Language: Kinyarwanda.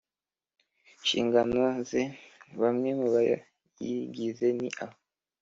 nshingano ze Bamwe mu bayigize ni aba